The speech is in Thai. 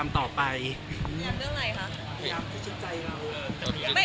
แค่นั้นเอง